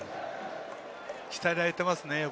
鍛えられていますね。